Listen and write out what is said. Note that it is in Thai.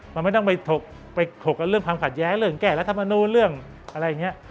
มันไม่ต้องไปถกไปถกกันเรื่องความขัดแย้งเรื่องแก้รัฐมนูลเรื่องอะไรอย่างนี้